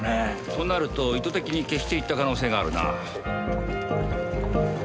となると意図的に消していった可能性があるな。